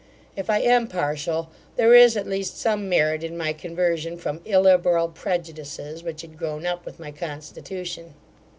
If I am partial, there is, at least, some merit in my conversion from illiberal prejudices which had grown up with my constitution.